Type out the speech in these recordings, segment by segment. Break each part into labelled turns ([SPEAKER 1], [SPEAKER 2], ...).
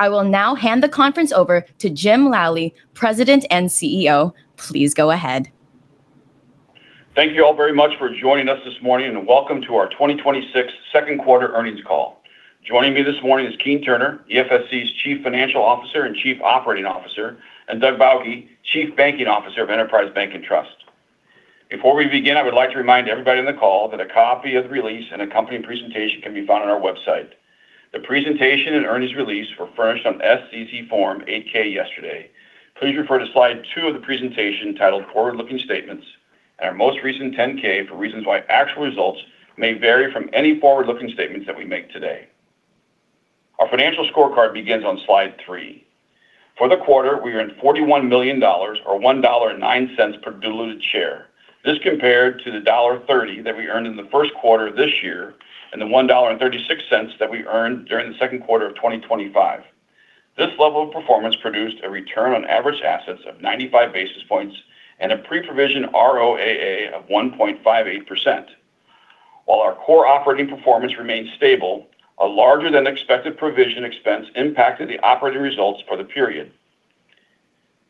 [SPEAKER 1] I will now hand the conference over to Jim Lally, President and CEO. Please go ahead.
[SPEAKER 2] Thank you all very much for joining us this morning. Welcome to our 2026 second quarter earnings call. Joining me this morning is Keene Turner, EFSC's Chief Financial Officer and Chief Operating Officer, and Doug Bauche, Chief Banking Officer of Enterprise Bank & Trust. Before we begin, I would like to remind everybody on the call that a copy of the release and accompanying presentation can be found on our website. The presentation and earnings release were furnished on SEC form 8-K yesterday. Please refer to slide two of the presentation titled Forward Looking Statements and our most recent 10-K for reasons why actual results may vary from any forward-looking statements that we make today. Our financial scorecard begins on slide three. For the quarter, we earned $41 million, or $1.09 per diluted share. This compared to the $1.30 that we earned in the first quarter of this year. The $1.36 that we earned during the second quarter of 2025. This level of performance produced a return on average assets of 95 basis points and a pre-provision ROAA of 1.58%. While our core operating performance remained stable, a larger-than-expected provision expense impacted the operating results for the period.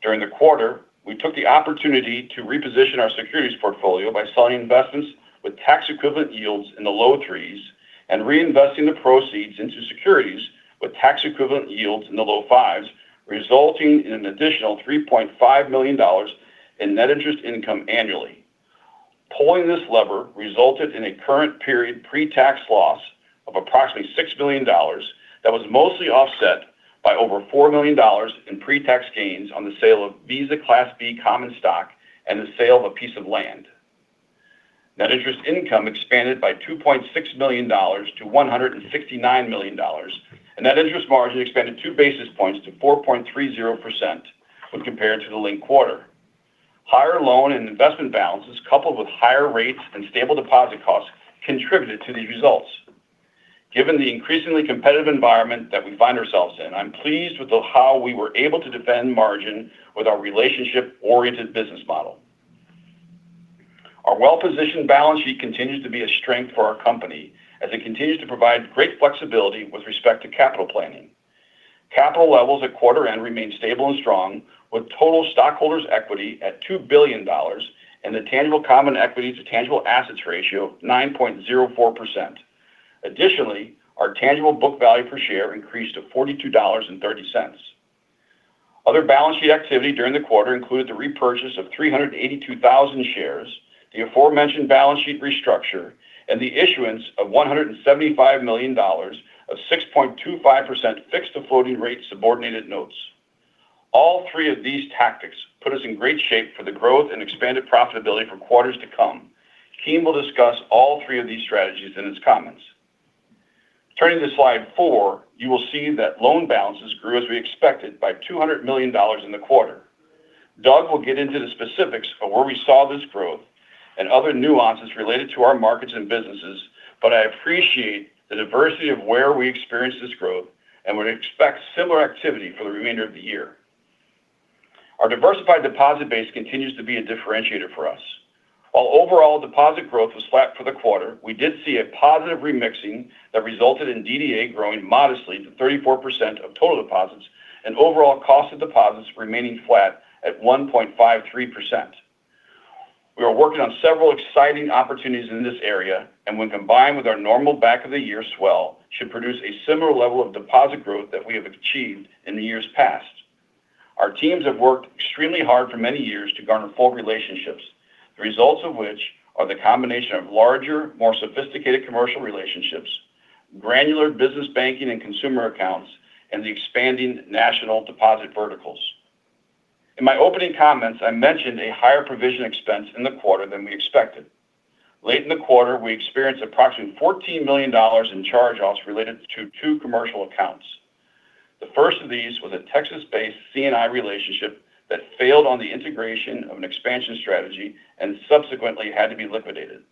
[SPEAKER 2] During the quarter, we took the opportunity to reposition our securities portfolio by selling investments with tax-equivalent yields in the low threes and reinvesting the proceeds into securities with tax-equivalent yields in the low fives, resulting in an additional $3.5 million in net interest income annually. Pulling this lever resulted in a current period pre-tax loss of approximately $6 million that was mostly offset by over $4 million in pre-tax gains on the sale of Visa Class B common stock and the sale of a piece of land. Net interest income expanded by $2.6 million to $169 million. Net interest margin expanded two basis points to 4.30% when compared to the linked quarter. Higher loan and investment balances, coupled with higher rates and stable deposit costs, contributed to these results. Given the increasingly competitive environment that we find ourselves in, I'm pleased with how we were able to defend margin with our relationship-oriented business model. Our well-positioned balance sheet continues to be a strength for our company as it continues to provide great flexibility with respect to capital planning. Capital levels at quarter end remain stable and strong, with total stockholders' equity at $2 billion and the tangible common equity to tangible assets ratio of 9.04%. Additionally, our tangible book value per share increased to $42.30. Other balance sheet activity during the quarter included the repurchase of 382,000 shares, the aforementioned balance sheet restructure, and the issuance of $175 million of 6.25% fixed to floating rate subordinated notes. All three of these tactics put us in great shape for the growth and expanded profitability for quarters to come. Keene will discuss all three of these strategies in his comments. Turning to slide four, you will see that loan balances grew as we expected by $200 million in the quarter. Doug will get into the specifics of where we saw this growth and other nuances related to our markets and businesses. I appreciate the diversity of where we experienced this growth and would expect similar activity for the remainder of the year. Our diversified deposit base continues to be a differentiator for us. While overall deposit growth was flat for the quarter, we did see a positive remixing that resulted in DDA growing modestly to 34% of total deposits and overall cost of deposits remaining flat at 1.53%. We are working on several exciting opportunities in this area. When combined with our normal back-of-the-year swell, should produce a similar level of deposit growth that we have achieved in the years past. Our teams have worked extremely hard for many years to garner full relationships, the results of which are the combination of larger, more sophisticated commercial relationships, granular business banking and consumer accounts, and the expanding national deposit verticals. In my opening comments, I mentioned a higher provision expense in the quarter than we expected. Late in the quarter, we experienced approximately $14 million in charge-offs related to two commercial accounts. The first of these was a Texas-based C&I relationship that failed on the integration of an expansion strategy and subsequently had to be liquidated.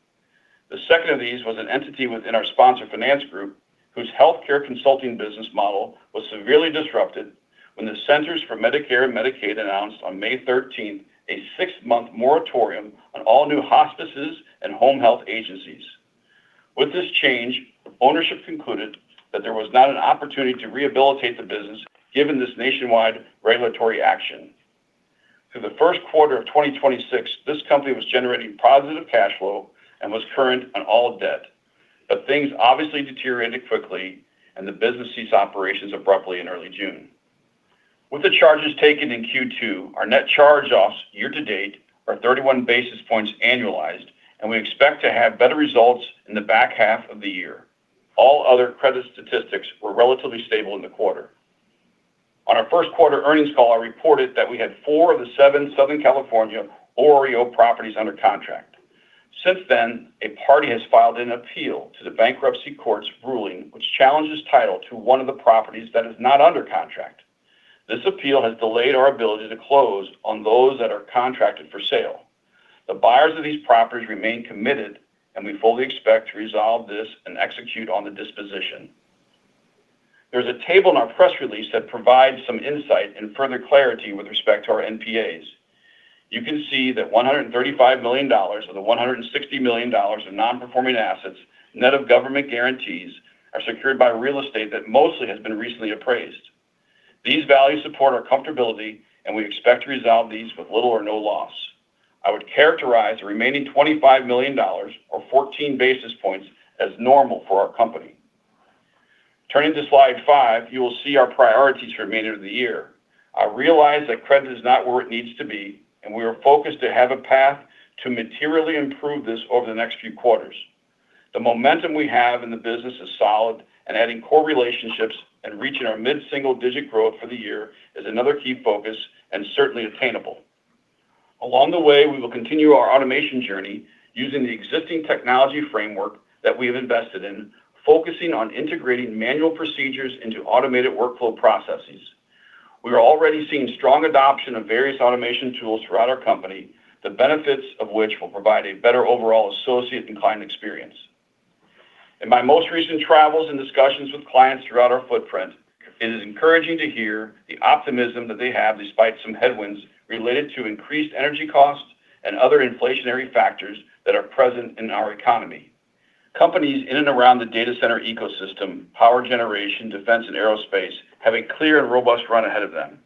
[SPEAKER 2] The second of these was an entity within our sponsored finance group whose healthcare consulting business model was severely disrupted when the Centers for Medicare and Medicaid announced on May 13th a six-month moratorium on all new hospices and home health agencies. With this change, ownership concluded that there was not an opportunity to rehabilitate the business given this nationwide regulatory action. Through the first quarter of 2026, this company was generating positive cash flow and was current on all debt. Things obviously deteriorated quickly. The business ceased operations abruptly in early June. With the charges taken in Q2, our net charge-offs year to date are 31 basis points annualized. We expect to have better results in the back half of the year. All other credit statistics were relatively stable in the quarter. On our first quarter earnings call, I reported that we had four of the seven Southern California OREO properties under contract. Since then, a party has filed an appeal to the bankruptcy court's ruling, which challenges title to one of the properties that is not under contract. This appeal has delayed our ability to close on those that are contracted for sale. The buyers of these properties remain committed, and we fully expect to resolve this and execute on the disposition. There is a table in our press release that provides some insight and further clarity with respect to our NPAs. You can see that $135 million of the $160 million of non-performing assets, net of government guarantees, are secured by real estate that mostly has been recently appraised. These values support our comfortability, and we expect to resolve these with little or no loss. I would characterize the remaining $25 million, or 14 basis points, as normal for our company. Turning to slide five, you will see our priorities for the remainder of the year. I realize that credit is not where it needs to be, and we are focused to have a path to materially improve this over the next few quarters. The momentum we have in the business is solid. Adding core relationships and reaching our mid-single-digit growth for the year is another key focus and certainly attainable. Along the way, we will continue our automation journey using the existing technology framework that we have invested in, focusing on integrating manual procedures into automated workflow processes. We are already seeing strong adoption of various automation tools throughout our company, the benefits of which will provide a better overall associate and client experience. In my most recent travels and discussions with clients throughout our footprint, it is encouraging to hear the optimism that they have despite some headwinds related to increased energy costs and other inflationary factors that are present in our economy. Companies in and around the data center ecosystem, power generation, defense, and aerospace have a clear and robust run ahead of them.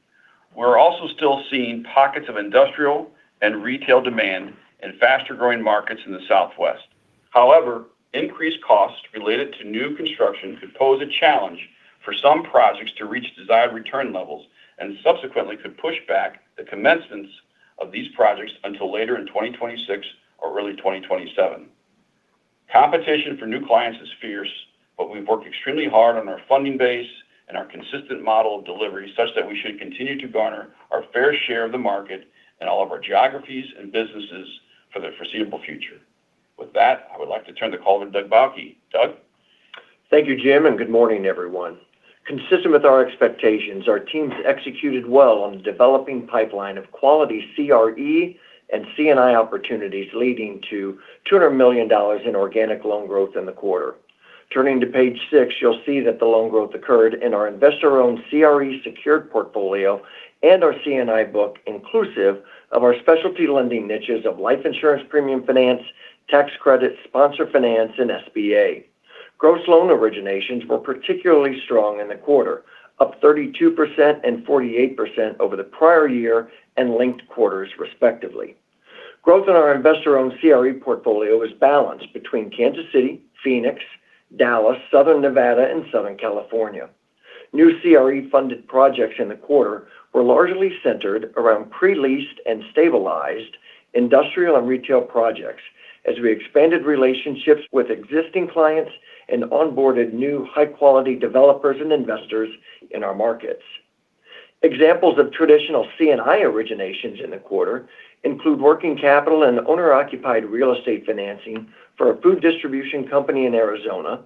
[SPEAKER 2] We are also still seeing pockets of industrial and retail demand in faster-growing markets in the Southwest. However, increased costs related to new construction could pose a challenge for some projects to reach desired return levels, and subsequently could push back the commencements of these projects until later in 2026 or early 2027. Competition for new clients is fierce, but we have worked extremely hard on our funding base and our consistent model of delivery such that we should continue to garner our fair share of the market in all of our geographies and businesses for the foreseeable future. With that, I would like to turn the call to Doug Bauche. Doug?
[SPEAKER 3] Thank you, Jim. Good morning, everyone. Consistent with our expectations, our teams executed well on the developing pipeline of quality CRE and C&I opportunities, leading to $200 million in organic loan growth in the quarter. Turning to page six, you will see that the loan growth occurred in our investor-owned CRE secured portfolio and our C&I book, inclusive of our specialty lending niches of life insurance premium finance, tax credit, sponsor finance, and SBA. Gross loan originations were particularly strong in the quarter, up 32% and 48% over the prior year and linked quarters, respectively. Growth in our investor-owned CRE portfolio was balanced between Kansas City, Phoenix, Dallas, Southern Nevada, and Southern California. New CRE-funded projects in the quarter were largely centered around pre-leased and stabilized industrial and retail projects as we expanded relationships with existing clients and onboarded new high-quality developers and investors in our markets. Examples of traditional C&I originations in the quarter include working capital and owner-occupied real estate financing for a food distribution company in Arizona,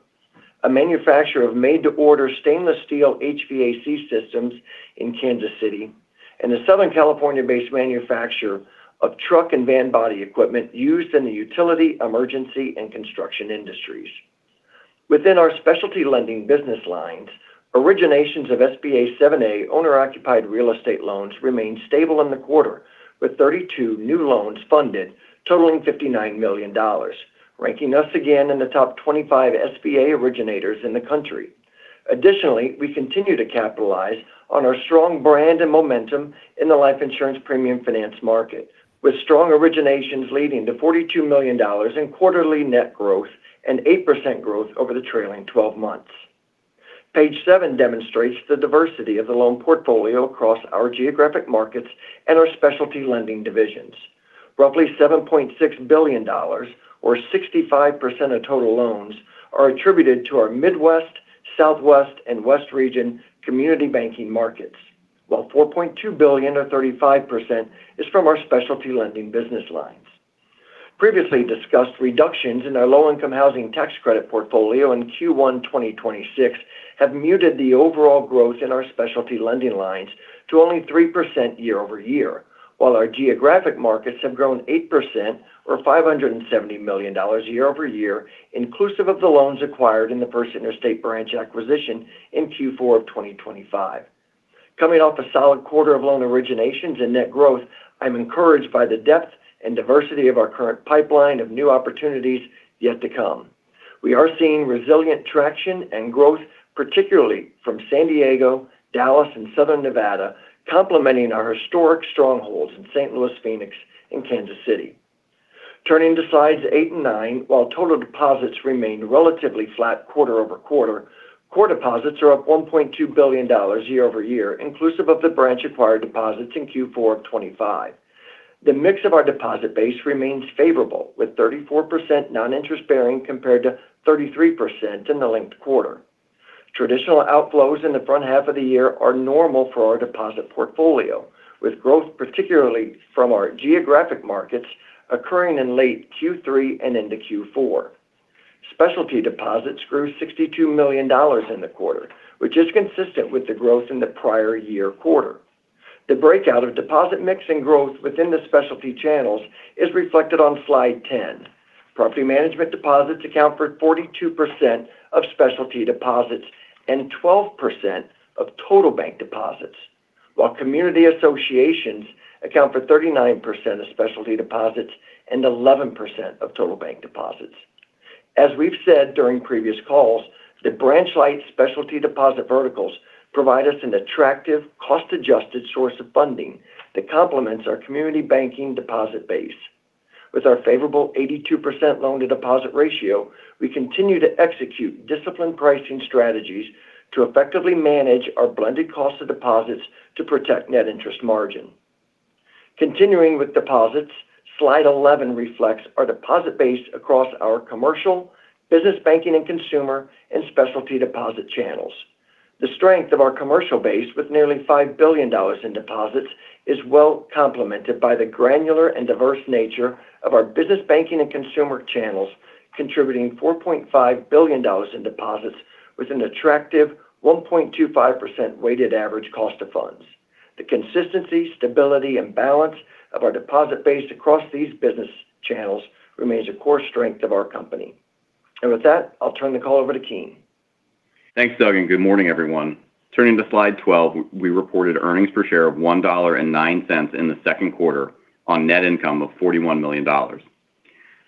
[SPEAKER 3] a manufacturer of made-to-order stainless steel HVAC systems in Kansas City, and a Southern California-based manufacturer of truck and van body equipment used in the utility, emergency, and construction industries. Within our specialty lending business lines, originations of SBA 7 owner-occupied real estate loans remained stable in the quarter, with 32 new loans funded totaling $59 million, ranking us again in the top 25 SBA originators in the country. Additionally, we continue to capitalize on our strong brand and momentum in the life insurance premium finance market, with strong originations leading to $42 million in quarterly net growth and 8% growth over the trailing 12 months. Page seven demonstrates the diversity of the loan portfolio across our geographic markets and our specialty lending divisions. Roughly $7.6 billion, or 65% of total loans, are attributed to our Midwest, Southwest, and West Region community banking markets, while $4.2 billion, or 35%, is from our specialty lending business lines. Previously discussed reductions in our low-income housing tax credit portfolio in Q1 2026 have muted the overall growth in our specialty lending lines to only 3% year-over-year, while our geographic markets have grown 8%, or $570 million year-over-year, inclusive of the loans acquired in the First Interstate branch acquisition in Q4 of 2025. Coming off a solid quarter of loan originations and net growth, I'm encouraged by the depth and diversity of our current pipeline of new opportunities yet to come. We are seeing resilient traction and growth, particularly from San Diego, Dallas, and Southern Nevada, complementing our historic strongholds in St. Louis, Phoenix, and Kansas City. Turning to slides eight and nine, while total deposits remained relatively flat quarter-over-quarter, core deposits are up $1.2 billion year-over-year, inclusive of the branch-acquired deposits in Q4 of 2025. The mix of our deposit base remains favorable, with 34% non-interest-bearing compared to 33% in the linked quarter. Traditional outflows in the front half of the year are normal for our deposit portfolio, with growth particularly from our geographic markets occurring in late Q3 and into Q4. Specialty deposits grew $62 million in the quarter, which is consistent with the growth in the prior year quarter. The breakout of deposit mix and growth within the specialty channels is reflected on slide 10. Property management deposits account for 42% of specialty deposits and 12% of total bank deposits, while community associations account for 39% of specialty deposits and 11% of total bank deposits. As we've said during previous calls, the branch-light specialty deposit verticals provide us an attractive, cost-adjusted source of funding that complements our community banking deposit base. With our favorable 82% loan-to-deposit ratio, we continue to execute disciplined pricing strategies to effectively manage our blended cost of deposits to protect net interest margin. Continuing with deposits, slide 11 reflects our deposit base across our commercial, business banking and consumer, and specialty deposit channels. The strength of our commercial base with nearly $5 billion in deposits is well complemented by the granular and diverse nature of our business banking and consumer channels, contributing $4.5 billion in deposits with an attractive 1.25% weighted average cost of funds. The consistency, stability, and balance of our deposit base across these business channels remains a core strength of our company. With that, I'll turn the call over to Keene.
[SPEAKER 4] Thanks, Doug, good morning, everyone. Turning to slide 12, we reported earnings per share of $1.09 in the second quarter on net income of $41 million.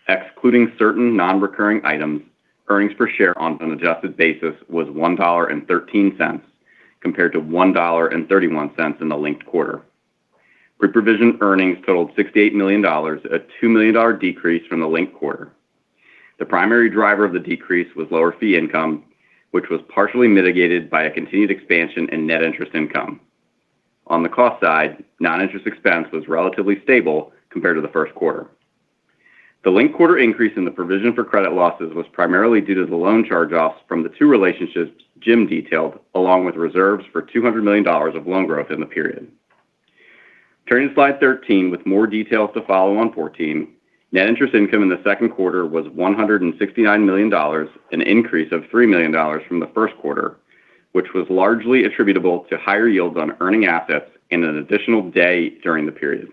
[SPEAKER 4] Excluding certain non-recurring items, earnings per share on an adjusted basis was $1.13 compared to $1.31 in the linked quarter. Pre-provision earnings totaled $68 million, a $2 million decrease from the linked quarter. The primary driver of the decrease was lower fee income, which was partially mitigated by a continued expansion in net interest income. On the cost side, non-interest expense was relatively stable compared to the first quarter. The linked quarter increase in the provision for credit losses was primarily due to the loan charge-offs from the two relationships Jim detailed, along with reserves for $200 million of loan growth in the period. Turning to slide 13 with more details to follow on 14, net interest income in the second quarter was $169 million, an increase of $3 million from the first quarter, which was largely attributable to higher yields on earning assets and an additional day during the period.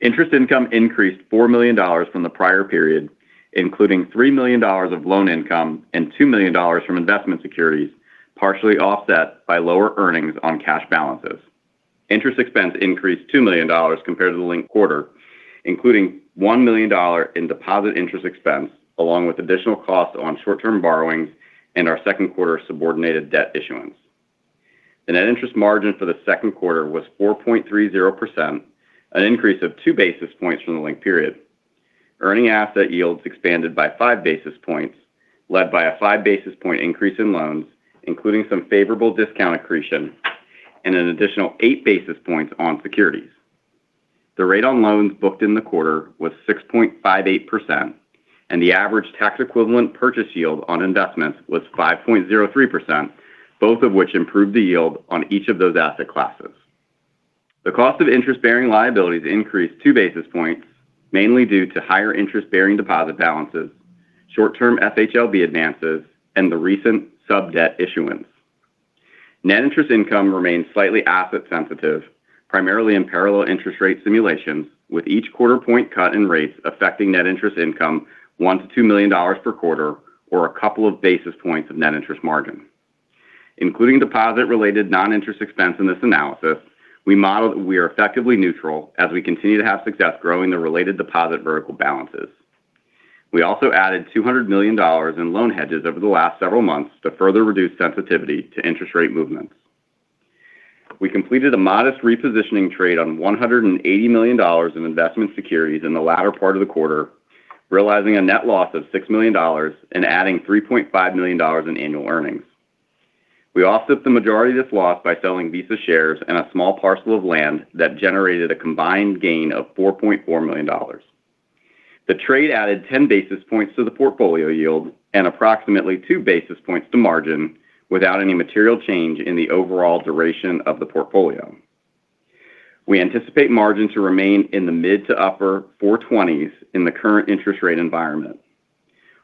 [SPEAKER 4] Interest income increased $4 million from the prior period, including $3 million of loan income and $2 million from investment securities, partially offset by lower earnings on cash balances. Interest expense increased $2 million compared to the linked quarter, including $1 million in deposit interest expense, along with additional costs on short-term borrowings and our second quarter subordinated debt issuance. The net interest margin for the second quarter was 4.30%, an increase of two basis points from the linked period. Earning asset yields expanded by five basis points, led by a five basis point increase in loans, including some favorable discount accretion and an additional eight basis points on securities. The rate on loans booked in the quarter was 6.58%, and the average tax equivalent purchase yield on investments was 5.03%, both of which improved the yield on each of those asset classes. The cost of interest-bearing liabilities increased two basis points, mainly due to higher interest-bearing deposit balances, short-term FHLB advances, and the recent sub-debt issuance. Net interest income remains slightly asset sensitive, primarily in parallel interest rate simulations, with each quarter point cut in rates affecting net interest income $1 million-$2 million per quarter or a couple of basis points of net interest margin. Including deposit-related non-interest expense in this analysis, we modeled that we are effectively neutral as we continue to have success growing the related deposit vertical balances. We also added $200 million in loan hedges over the last several months to further reduce sensitivity to interest rate movements. We completed a modest repositioning trade on $180 million in investment securities in the latter part of the quarter, realizing a net loss of $6 million and adding $3.5 million in annual earnings. We offset the majority of this loss by selling Visa shares and a small parcel of land that generated a combined gain of $4.4 million. The trade added 10 basis points to the portfolio yield and approximately two basis points to margin without any material change in the overall duration of the portfolio. We anticipate margin to remain in the mid to upper 4.20s in the current interest rate environment.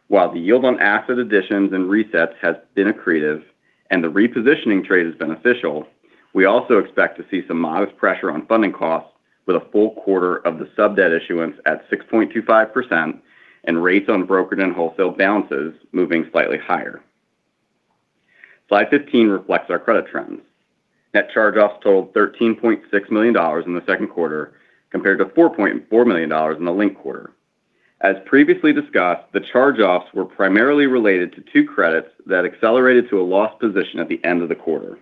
[SPEAKER 4] While the yield on asset additions and resets has been accretive and the repositioning trade is beneficial, we also expect to see some modest pressure on funding costs with a full quarter of the sub-debt issuance at 6.25% and rates on brokered and wholesale balances moving slightly higher. Slide 15 reflects our credit trends. Net charge-offs totaled $13.6 million in the second quarter compared to $4.4 million in the linked quarter. As previously discussed, the charge-offs were primarily related to two credits that accelerated to a loss position at the end of the quarter.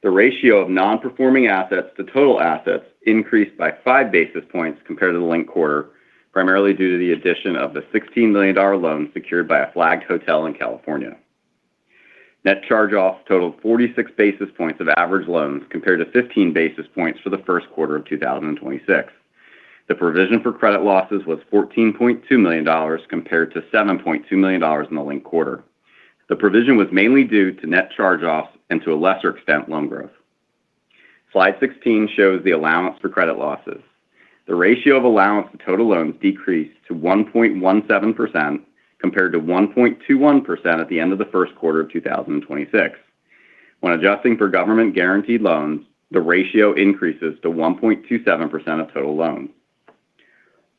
[SPEAKER 4] The ratio of non-performing assets to total assets increased by five basis points compared to the linked quarter, primarily due to the addition of the $16 million loan secured by a flagged hotel in California. Net charge-offs totaled 46 basis points of average loans compared to 15 basis points for the first quarter of 2026. The provision for credit losses was $14.2 million compared to $7.2 million in the linked quarter. The provision was mainly due to net charge-offs and to a lesser extent, loan growth. Slide 16 shows the allowance for credit losses. The ratio of allowance to total loans decreased to 1.17% compared to 1.21% at the end of the first quarter of 2026. When adjusting for government-guaranteed loans, the ratio increases to 1.27% of total loans.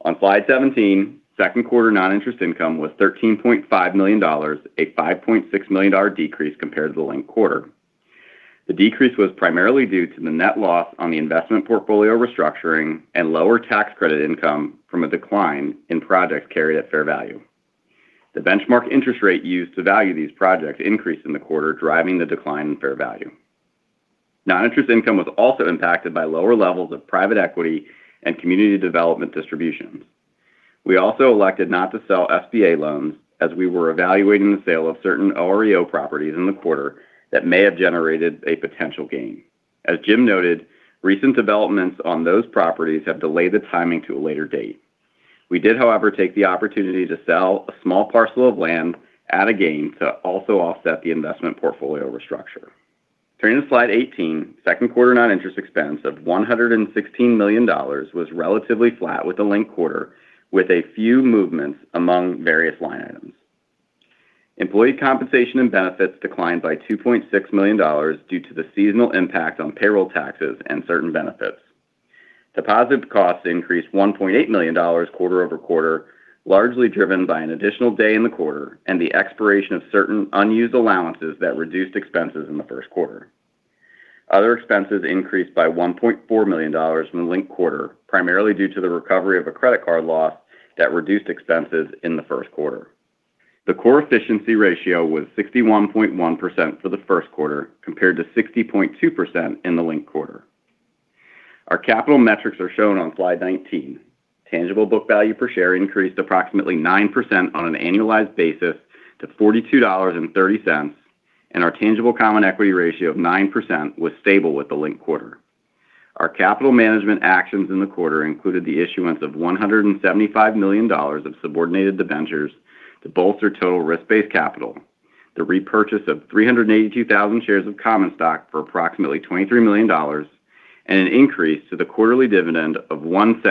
[SPEAKER 4] On slide 17, second quarter non-interest income was $13.5 million, a $5.6 million decrease compared to the linked quarter. The decrease was primarily due to the net loss on the investment portfolio restructuring and lower tax credit income from a decline in projects carried at fair value. The benchmark interest rate used to value these projects increased in the quarter, driving the decline in fair value. Non-interest income was also impacted by lower levels of private equity and community development distributions. We also elected not to sell SBA loans as we were evaluating the sale of certain REO properties in the quarter that may have generated a potential gain. As Jim noted, recent developments on those properties have delayed the timing to a later date. We did, however, take the opportunity to sell a small parcel of land at a gain to also offset the investment portfolio restructure. Turning to slide 18, second quarter non-interest expense of $116 million was relatively flat with the linked quarter, with a few movements among various line items. Employee compensation and benefits declined by $2.6 million due to the seasonal impact on payroll taxes and certain benefits. Deposit costs increased $1.8 million quarter-over-quarter, largely driven by an additional day in the quarter and the expiration of certain unused allowances that reduced expenses in the first quarter. Other expenses increased by $1.4 million from the linked quarter, primarily due to the recovery of a credit card loss that reduced expenses in the first quarter. The core efficiency ratio was 61.1% for the first quarter compared to 60.2% in the linked quarter. Our capital metrics are shown on slide 19. Tangible book value per share increased approximately 9% on an annualized basis to $42.30, and our tangible common equity ratio of 9% was stable with the linked quarter. Our capital management actions in the quarter included the issuance of $175 million of subordinated debentures to bolster total risk-based capital, the repurchase of 382,000 shares of common stock for approximately $23 million, and an increase to the quarterly dividend of $0.01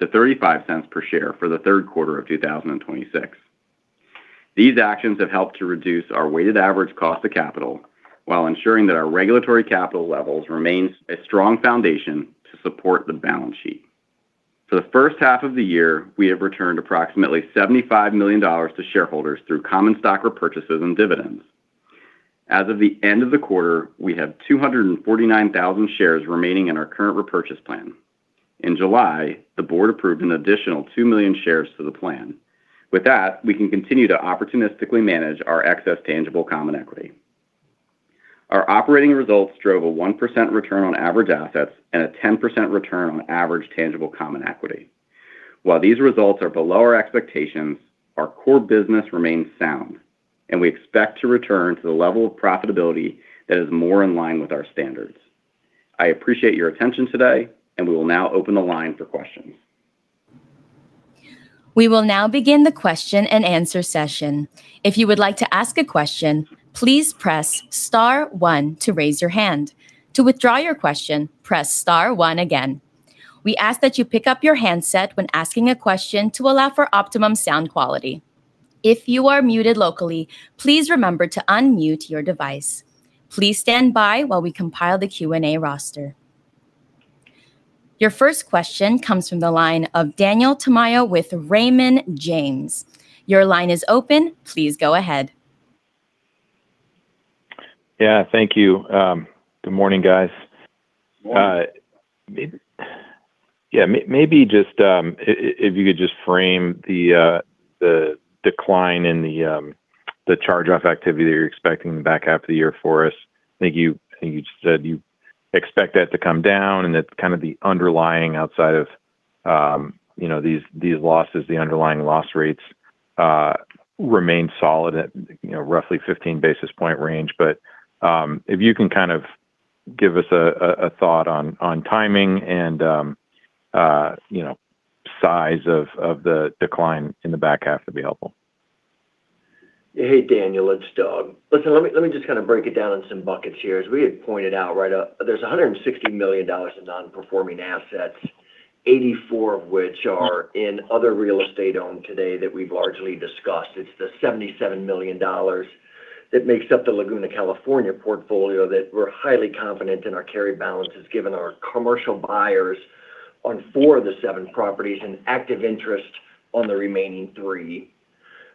[SPEAKER 4] to $0.35 per share for the third quarter of 2026. These actions have helped to reduce our weighted average cost of capital while ensuring that our regulatory capital levels remains a strong foundation to support the balance sheet. For the first half of the year, we have returned approximately $75 million to shareholders through common stock repurchases and dividends. As of the end of the quarter, we have 249,000 shares remaining in our current repurchase plan. In July, the board approved an additional 2 million shares to the plan. With that, we can continue to opportunistically manage our excess tangible common equity. Our operating results drove a 1% return on average assets and a 10% return on average tangible common equity. While these results are below our expectations, our core business remains sound, and we expect to return to the level of profitability that is more in line with our standards. I appreciate your attention today. We will now open the line for questions.
[SPEAKER 1] We will now begin the question and answer session. If you would like to ask a question, please press star one to raise your hand. To withdraw your question, press star one again. We ask that you pick up your handset when asking a question to allow for optimum sound quality. If you are muted locally, please remember to unmute your device. Please stand by while we compile the Q&A roster. Your first question comes from the line of Daniel Tamayo with Raymond James. Your line is open. Please go ahead.
[SPEAKER 5] Yeah, thank you. Good morning, guys.
[SPEAKER 4] Morning.
[SPEAKER 5] Yeah. Maybe if you could just frame the decline in the charge-off activity that you're expecting in the back half of the year for us. I think you just said you expect that to come down, and that kind of the underlying outside of these losses, the underlying loss rates remain solid at roughly 15 basis point range. If you can kind of give us a thought on timing and size of the decline in the back half, that'd be helpful.
[SPEAKER 3] Hey, Daniel. Listen, let me just kind of break it down in some buckets here. As we had pointed out right up, there's $160 million in non-performing assets, 84 of which are in other real estate owned today that we've largely discussed. It's the $77 million that makes up the Laguna, California, portfolio that we're highly confident in our carry balances, given our commercial buyers on four of the seven properties and active interest on the remaining three.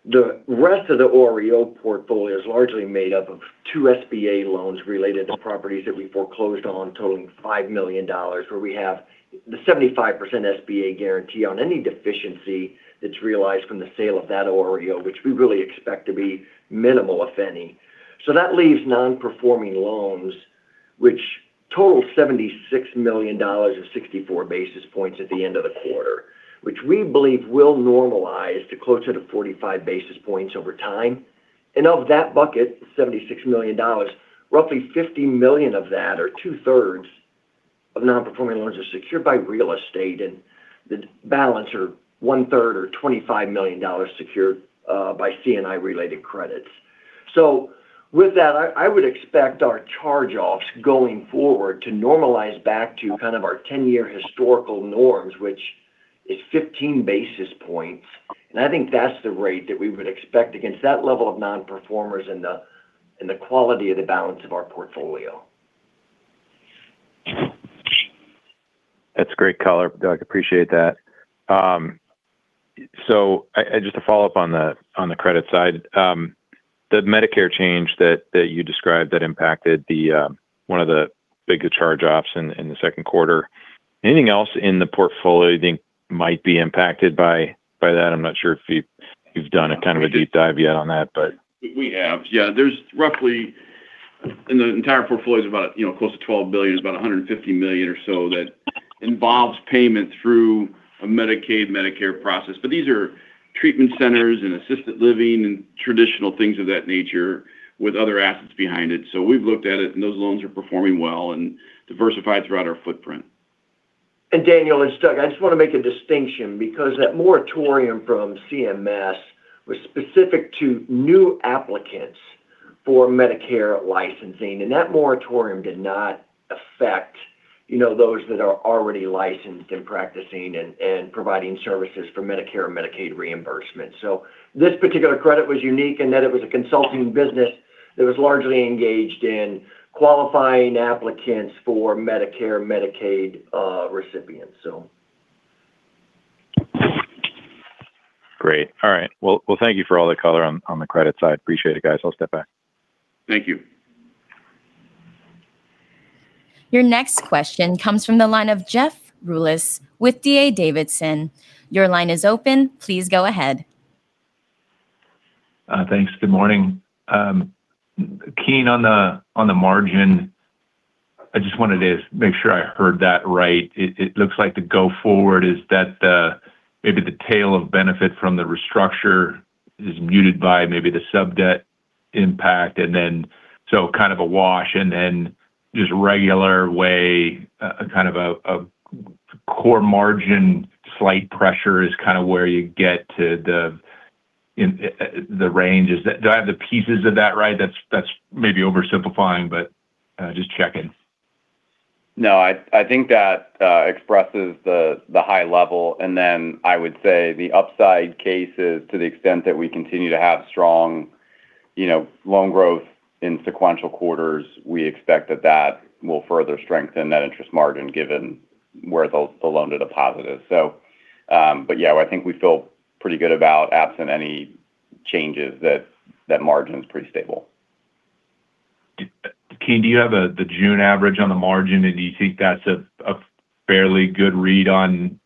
[SPEAKER 3] The rest of the REO portfolio is largely made up of two SBA loans related to properties that we foreclosed on totaling $5 million, where we have the 75% SBA guarantee on any deficiency that's realized from the sale of that REO, which we really expect to be minimal, if any. That leaves non-performing loans, which total $76 million, or 64 basis points at the end of the quarter, which we believe will normalize to closer to 45 basis points over time. Of that bucket, $76 million, roughly $50 million of that, or two-thirds of non-performing loans are secured by real estate, and the balance, or one-third, or $25 million, secured by C&I-related credits. With that, I would expect our charge-offs going forward to normalize back to kind of our 10-year historical norms which Is 15 basis points. I think that's the rate that we would expect against that level of non-performers and the quality of the balance of our portfolio.
[SPEAKER 5] That's great color, Doug. Appreciate that. Just to follow up on the credit side. The Medicare change that you described that impacted one of the bigger charge-offs in the second quarter. Anything else in the portfolio you think might be impacted by that? I'm not sure if you've done a deep dive yet on that.
[SPEAKER 2] We have. Yeah. The entire portfolio's about close to $12 billion, is about $150 million or so that involves payment through a Medicaid/Medicare process. These are treatment centers and assisted living and traditional things of that nature with other assets behind it. We've looked at it, and those loans are performing well and diversified throughout our footprint.
[SPEAKER 4] Daniel and Doug, I just want to make a distinction because that moratorium from CMS was specific to new applicants for Medicare licensing, and that moratorium did not affect those that are already licensed and practicing and providing services for Medicare or Medicaid reimbursement. This particular credit was unique in that it was a consulting business that was largely engaged in qualifying applicants for Medicare/Medicaid recipients.
[SPEAKER 5] Great. All right. Well, thank you for all the color on the credit side. Appreciate it, guys. I'll step back.
[SPEAKER 2] Thank you.
[SPEAKER 1] Your next question comes from the line of Jeff Rulis with D.A. Davidson & Co. Your line is open. Please go ahead.
[SPEAKER 6] Thanks. Good morning. Keene, on the margin, I just wanted to make sure I heard that right. It looks like the go forward is that maybe the tail of benefit from the restructure is muted by maybe the sub-debt impact, and then so kind of a wash and then just regular way, a kind of a core margin slight pressure is kind of where you get to the ranges. Do I have the pieces of that right? That's maybe oversimplifying, but just checking.
[SPEAKER 4] No, I think that expresses the high level, and then I would say the upside case is to the extent that we continue to have strong loan growth in sequential quarters. We expect that that will further strengthen that interest margin given where the loan to deposit is. Yeah, I think we feel pretty good about absent any changes that that margin's pretty stable.
[SPEAKER 6] Keene, do you have the June average on the margin, do you think that's a fairly good read on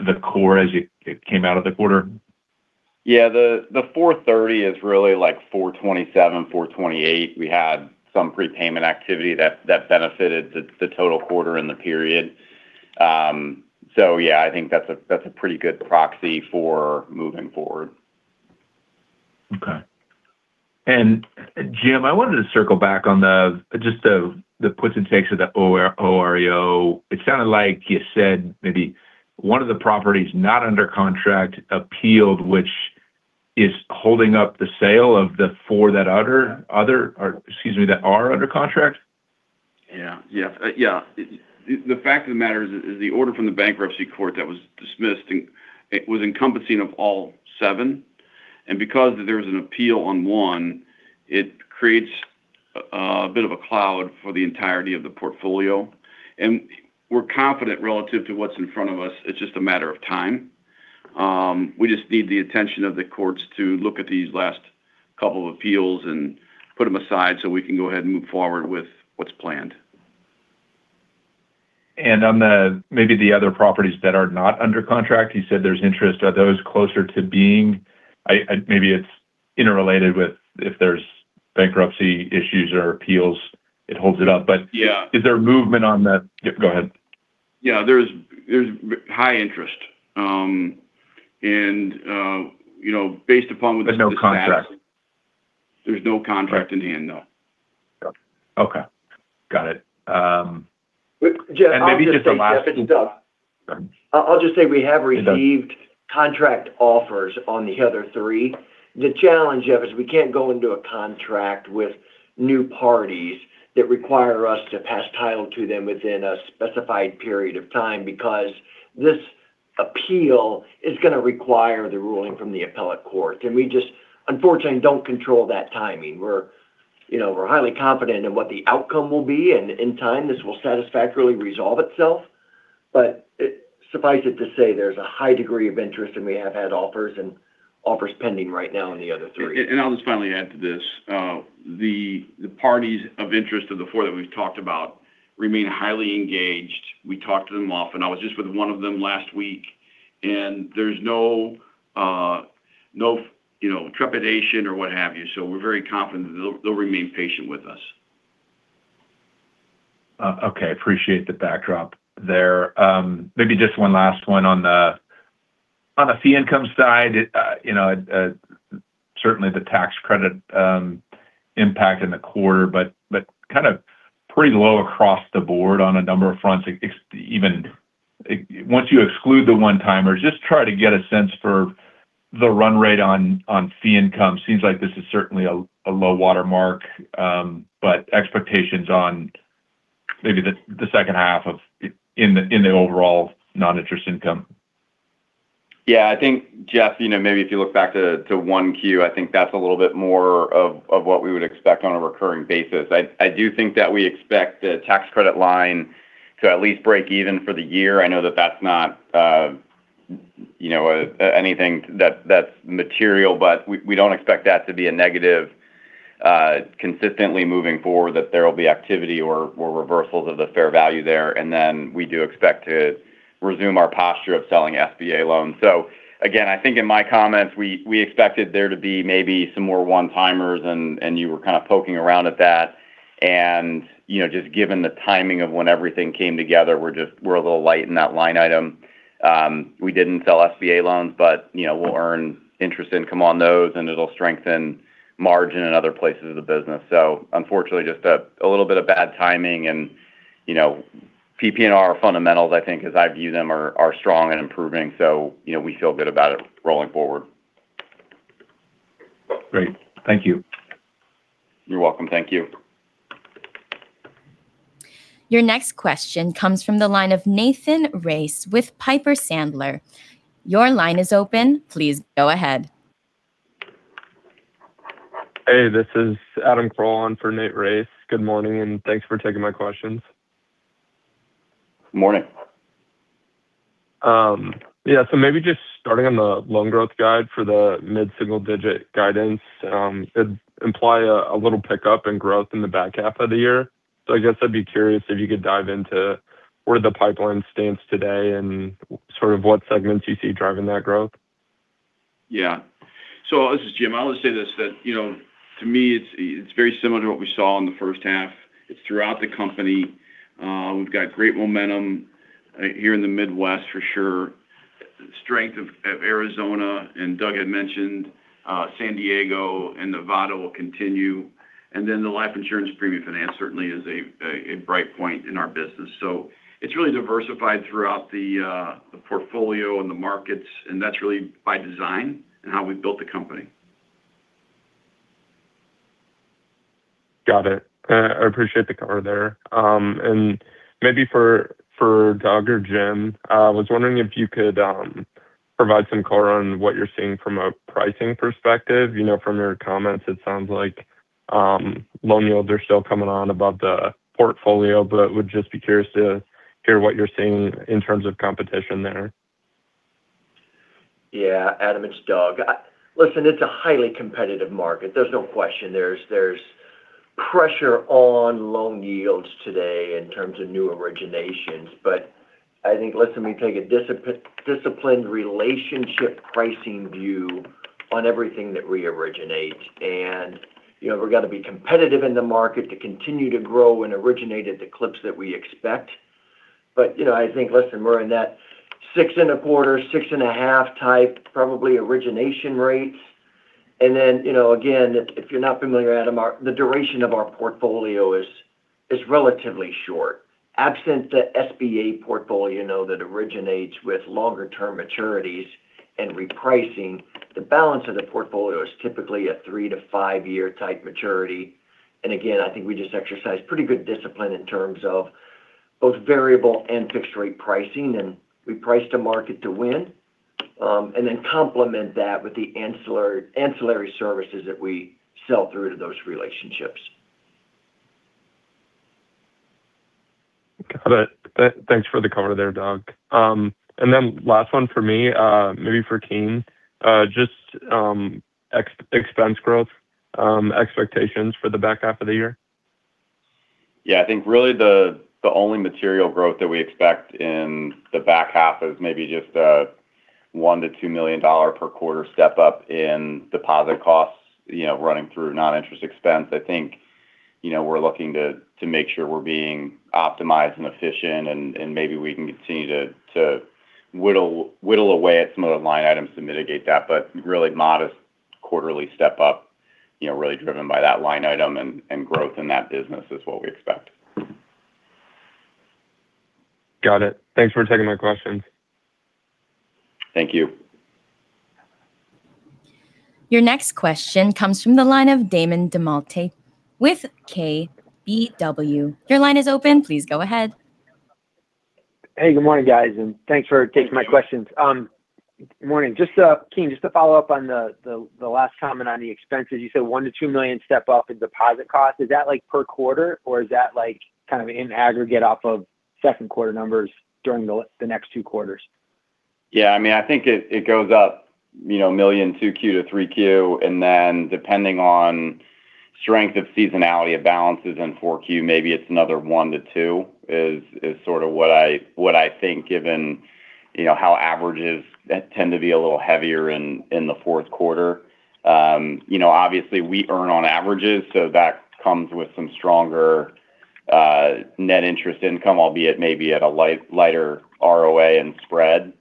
[SPEAKER 6] the core as it came out of the quarter?
[SPEAKER 4] Yeah. The 430 is really like 427, 428. We had some prepayment activity that benefited the total quarter in the period. Yeah, I think that's a pretty good proxy for moving forward.
[SPEAKER 6] Okay. Jim, I wanted to circle back on just the puts and takes of the OREO. It sounded like you said maybe one of the properties not under contract appealed, which is holding up the sale of the four that are under contract?
[SPEAKER 2] Yeah. The fact of the matter is the order from the bankruptcy court that was dismissed, it was encompassing of all seven. Because there was an appeal on one, it creates a bit of a cloud for the entirety of the portfolio. We're confident relative to what's in front of us, it's just a matter of time. We just need the attention of the courts to look at these last couple appeals and put them aside so we can go ahead and move forward with what's planned.
[SPEAKER 6] On maybe the other properties that are not under contract, you said there's interest. Are those closer to being? Maybe it's interrelated with if there's bankruptcy issues or appeals, it holds it up.
[SPEAKER 2] Yeah
[SPEAKER 6] Is there movement on the? Yeah, go ahead.
[SPEAKER 2] Yeah. There's high interest. Based upon what?
[SPEAKER 6] There's no contract.
[SPEAKER 2] There's no contract in hand, no.
[SPEAKER 6] Okay. Got it. Maybe just a last-
[SPEAKER 3] Jeff, it's Doug.
[SPEAKER 6] Sorry.
[SPEAKER 3] I'll just say we have received contract offers on the other three. The challenge, Jeff, is we can't go into a contract with new parties that require us to pass title to them within a specified period of time because this appeal is going to require the ruling from the appellate court. We just unfortunately don't control that timing. We're highly confident in what the outcome will be, and in time, this will satisfactorily resolve itself. Suffice it to say, there's a high degree of interest, and we have had offers and offers pending right now on the other three. I'll just finally add to this. The parties of interest of the four that we've talked about remain highly engaged. We talk to them often. I was just with one of them last week. There's no trepidation or what have you. We're very confident that they'll remain patient with us.
[SPEAKER 6] Okay. Appreciate the backdrop there. Maybe just one last one on the fee income side. Certainly the tax credit impact in the quarter, but kind of pretty low across the board on a number of fronts, even once you exclude the one-timers. Just try to get a sense for the run rate on fee income seems like this is certainly a low water mark, but expectations on maybe the second half in the overall non-interest income.
[SPEAKER 4] Yeah, I think, Jeff, maybe if you look back to 1Q, I think that's a little bit more of what we would expect on a recurring basis. I do think that we expect the tax credit line to at least break even for the year. I know that that's not anything that's material, but we don't expect that to be a negative consistently moving forward, that there will be activity or reversals of the fair value there. We do expect to resume our posture of selling SBA loans. Again, I think in my comments, we expected there to be maybe some more one-timers, and you were kind of poking around at that. Just given the timing of when everything came together, we're a little light in that line item. We didn't sell SBA loans, but we'll earn interest income on those, and it'll strengthen margin in other places of the business. Unfortunately, just a little bit of bad timing and PPNR fundamentals, I think, as I view them, are strong and improving. We feel good about it rolling forward.
[SPEAKER 6] Great. Thank you.
[SPEAKER 4] You're welcome. Thank you.
[SPEAKER 1] Your next question comes from the line of Nathan Race with Piper Sandler. Your line is open. Please go ahead.
[SPEAKER 7] Hey, this is Adam Kroll on for Nate Race. Good morning, and thanks for taking my questions.
[SPEAKER 4] Morning.
[SPEAKER 7] Yeah. Maybe just starting on the loan growth guide for the mid-single digit guidance. It'd imply a little pickup in growth in the back half of the year. I guess I'd be curious if you could dive into where the pipeline stands today and sort of what segments you see driving that growth.
[SPEAKER 2] Yeah. This is Jim. I'll just say this, that, to me, it's very similar to what we saw in the first half. It's throughout the company. We've got great momentum here in the Midwest for sure, strength of Arizona, Doug had mentioned San Diego, Nevada will continue. The life insurance premium finance certainly is a bright point in our business. It's really diversified throughout the portfolio and the markets, and that's really by design and how we've built the company.
[SPEAKER 7] Got it. I appreciate the color there. Maybe for Doug or Jim, I was wondering if you could provide some color on what you're seeing from a pricing perspective. From your comments, it sounds like loan yields are still coming on above the portfolio, would just be curious to hear what you're seeing in terms of competition there.
[SPEAKER 3] Yeah. Adam, it's Doug. Listen, it's a highly competitive market. There's no question. There's pressure on loan yields today in terms of new originations. I think, listen, we take a disciplined relationship pricing view on everything that we originate. We've got to be competitive in the market to continue to grow and originate at the clips that we expect. I think, listen, we're in that six and a quarter, six and a half type probably origination rates. Again, if you're not familiar, Adam, the duration of our portfolio is relatively short. Absent the SBA portfolio, though, that originates with longer term maturities and repricing, the balance of the portfolio is typically a three- to five-year type maturity. Again, I think we just exercise pretty good discipline in terms of both variable and fixed-rate pricing, and we price to market to win. complement that with the ancillary services that we sell through to those relationships.
[SPEAKER 7] Got it. Thanks for the color there, Doug. Last one for me, maybe for Keene, just expense growth expectations for the back half of the year.
[SPEAKER 4] Yeah, I think really the only material growth that we expect in the back half is maybe just a $1 million to $2 million per quarter step-up in deposit costs running through non-interest expense. I think we're looking to make sure we're being optimized and efficient, and maybe we can continue to whittle away at some of the line items to mitigate that. Really modest quarterly step-up, really driven by that line item and growth in that business is what we expect.
[SPEAKER 7] Got it. Thanks for taking my questions.
[SPEAKER 4] Thank you.
[SPEAKER 1] Your next question comes from the line of Damon DelMonte with KBW. Your line is open. Please go ahead.
[SPEAKER 8] Hey, good morning, guys, Thanks for taking my questions.
[SPEAKER 4] Thank you.
[SPEAKER 8] Good morning. Keene, just to follow up on the last comment on the expenses. You said $1 million to $2 million step-up in deposit cost. Is that per quarter, or is that in aggregate off of second quarter numbers during the next two quarters?
[SPEAKER 4] I think it goes up $1 million, 2Q to 3Q, then depending on strength of seasonality of balances in 4Q, maybe it's another $1 million to $2 million is sort of what I think given how averages tend to be a little heavier in the fourth quarter. Obviously, we earn on averages, so that comes with some stronger net interest income, albeit maybe at a lighter ROA and spread.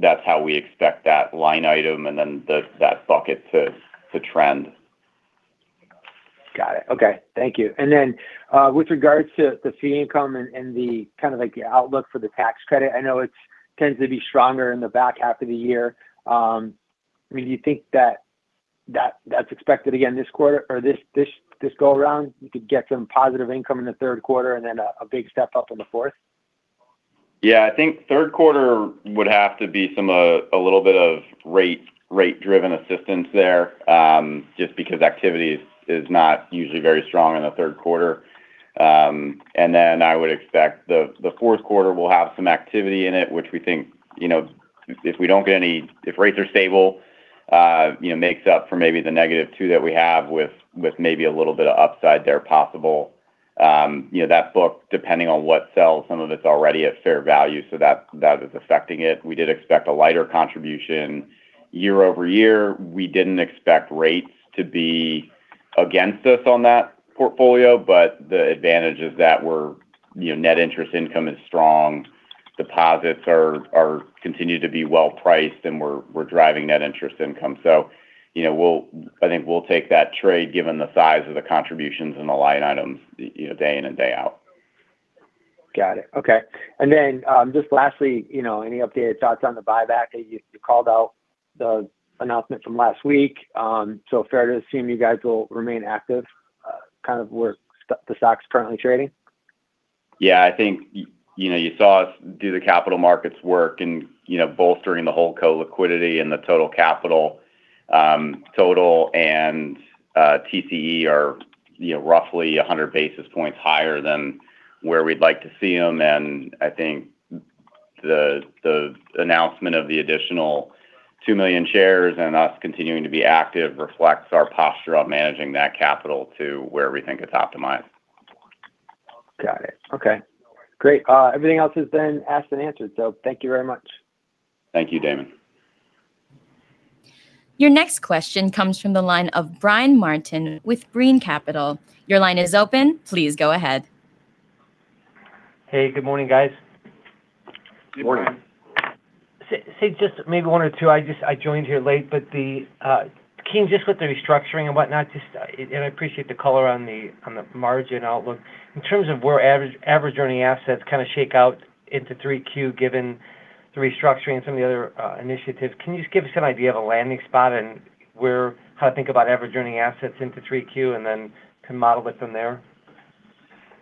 [SPEAKER 4] That's how we expect that line item and then that bucket to trend.
[SPEAKER 8] Got it. Okay. Thank you. Then, with regards to the fee income and the outlook for the tax credit, I know it tends to be stronger in the back half of the year. Do you think that's expected again this quarter or this go around? You could get some positive income in the third quarter and then a big step up in the fourth?
[SPEAKER 4] I think third quarter would have to be a little bit of rate-driven assistance there, just because activity is not usually very strong in the third quarter. Then I would expect the fourth quarter will have some activity in it, which we think if rates are stable, makes up for maybe the -$2 million that we have with maybe a little bit of upside there possible. That book, depending on what sells, some of it's already at fair value, so that is affecting it. We did expect a lighter contribution year-over-year. We didn't expect rates to be against us on that portfolio, the advantage is that net interest income is strong. Deposits continue to be well-priced, and we're driving net interest income. I think we'll take that trade given the size of the contributions and the line items day in and day out.
[SPEAKER 8] Got it. Okay. Just lastly, any updated thoughts on the buyback? You called out the announcement from last week. Fair to assume you guys will remain active where the stock's currently trading?
[SPEAKER 4] Yeah, I think you saw us do the capital markets work and bolstering the whole co liquidity and the total capital. Total and TCE are roughly 100 basis points higher than where we'd like to see them. I think the announcement of the additional 2 million shares and us continuing to be active reflects our posture on managing that capital to where we think it's optimized.
[SPEAKER 8] Got it. Okay. Great. Everything else has been asked and answered, thank you very much.
[SPEAKER 4] Thank you, Damon.
[SPEAKER 1] Your next question comes from the line of Brian Martin with Brean Capital. Your line is open. Please go ahead.
[SPEAKER 9] Hey, good morning, guys.
[SPEAKER 4] Good morning.
[SPEAKER 9] Say just maybe one or two. I joined here late, but, Keene, just with the restructuring and whatnot, and I appreciate the color on the margin outlook. In terms of where average earning assets kind of shake out into three Q given the restructuring and some of the other initiatives, can you just give us an idea of a landing spot and how to think about average earning assets into three Q and then can model it from there?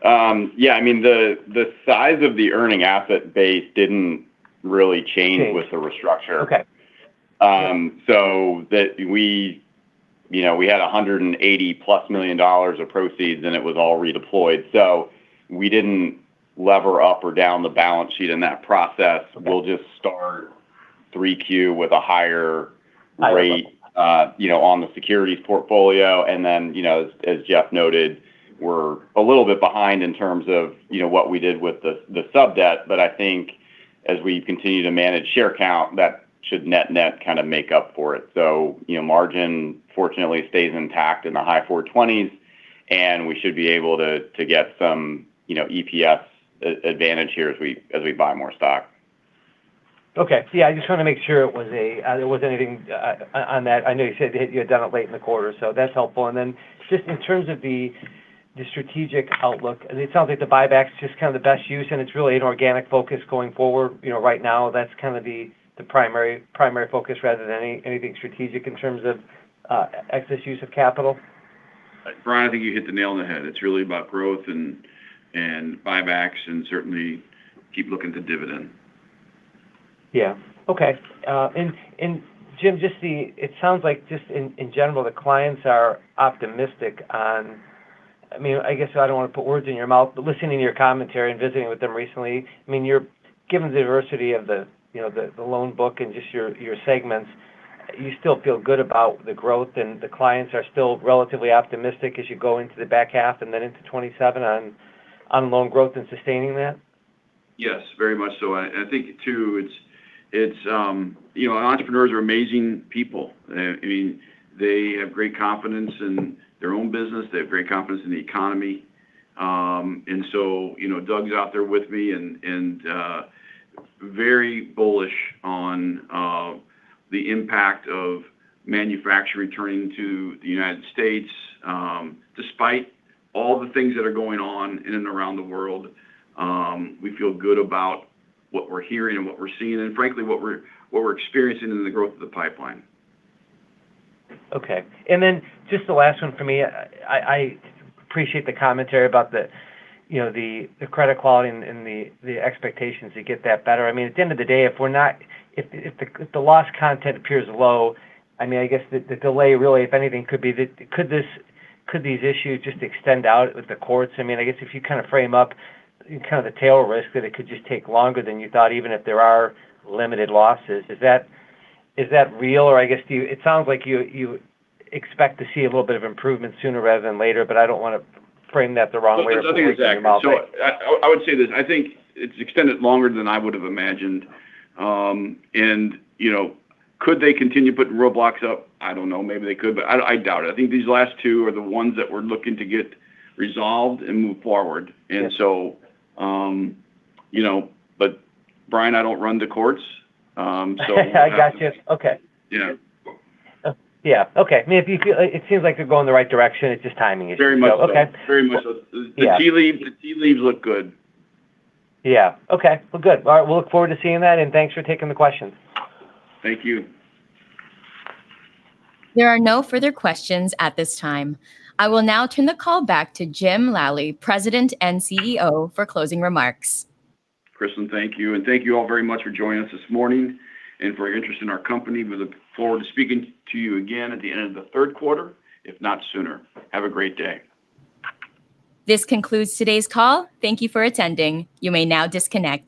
[SPEAKER 4] Yeah, the size of the earning asset base didn't really change.
[SPEAKER 9] Change
[SPEAKER 4] With the restructure.
[SPEAKER 9] Okay. Yeah.
[SPEAKER 4] We had $180+ million of proceeds, and it was all redeployed. We didn't lever up or down the balance sheet in that process. We'll just start 3Q with a higher rate.
[SPEAKER 9] Higher
[SPEAKER 4] on the securities portfolio. As Jeff noted, we're a little bit behind in terms of what we did with the sub-debt. I think as we continue to manage share count, that should net-net kind of make up for it. Margin fortunately stays intact in the high 420s, and we should be able to get some EPS advantage here as we buy more stock.
[SPEAKER 9] Okay. Yeah, I just wanted to make sure there wasn't anything on that. I know you said you had done it late in the quarter, that's helpful. Just in terms of the strategic outlook, it sounds like the buyback's just kind of the best use, and it's really an organic focus going forward. Right now that's kind of the primary focus rather than anything strategic in terms of excess use of capital.
[SPEAKER 4] Brian, I think you hit the nail on the head. It's really about growth and buybacks and certainly keep looking to dividend.
[SPEAKER 9] Yeah. Okay. Jim, it sounds like just in general, the clients are optimistic. I guess I don't want to put words in your mouth, listening to your commentary and visiting with them recently, given the diversity of the loan book and just your segments, you still feel good about the growth, and the clients are still relatively optimistic as you go into the back half and then into 2027 on loan growth and sustaining that?
[SPEAKER 2] Yes, very much so. I think, too, entrepreneurs are amazing people. They have great confidence in their own business. They have great confidence in the economy. Doug's out there with me and very bullish on the impact of manufacturing turning to the U.S. Despite all the things that are going on in and around the world, we feel good about what we're hearing and what we're seeing, and frankly, what we're experiencing in the growth of the pipeline.
[SPEAKER 9] Okay. Just the last one from me. I appreciate the commentary about the credit quality and the expectations to get that better. At the end of the day, if the loss content appears low, the delay really, if anything, could these issues just extend out with the courts? If you kind of frame up the tail risk that it could just take longer than you thought, even if there are limited losses. Is that real? It sounds like you expect to see a little bit of improvement sooner rather than later, but I don't want to frame that the wrong way or put words in your mouth.
[SPEAKER 2] No, it's nothing exact. I would say this. I think it's extended longer than I would have imagined. Could they continue putting roadblocks up? I don't know. Maybe they could, but I doubt it. I think these last two are the ones that we're looking to get resolved and move forward.
[SPEAKER 9] Yeah.
[SPEAKER 2] Brian, I don't run the courts.
[SPEAKER 9] I got you. Okay.
[SPEAKER 2] Yeah.
[SPEAKER 9] Yeah. Okay. It seems like we're going the right direction. It's just timing.
[SPEAKER 2] Very much so.
[SPEAKER 9] Okay.
[SPEAKER 2] Very much so.
[SPEAKER 9] Yeah.
[SPEAKER 2] The tea leaves look good.
[SPEAKER 9] Yeah. Okay. Well, good. All right. We'll look forward to seeing that, and thanks for taking the questions.
[SPEAKER 4] Thank you.
[SPEAKER 1] There are no further questions at this time. I will now turn the call back to Jim Lally, President and CEO, for closing remarks.
[SPEAKER 2] Kristen, thank you, and thank you all very much for joining us this morning and for your interest in our company. We look forward to speaking to you again at the end of the third quarter, if not sooner. Have a great day.
[SPEAKER 1] This concludes today's call. Thank you for attending. You may now disconnect.